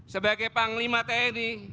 sebagai panglima tni